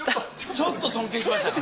ちょっと尊敬しましたか。